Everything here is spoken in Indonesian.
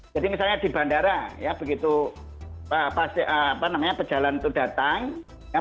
jadi misalnya di bandara begitu apa namanya pejalan itu datang ya